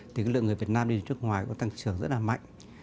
thì lượng người việt nam đi đến nước ngoài cũng tăng trưởng rất là mạnh